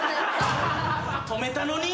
止めたのに。